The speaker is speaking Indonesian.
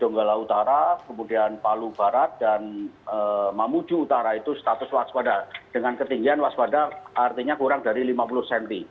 donggala utara kemudian palu barat dan mamuju utara itu status waspada dengan ketinggian waspada artinya kurang dari lima puluh cm